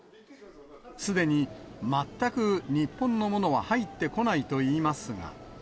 すでに全く日本のものは入ってこないといいますが。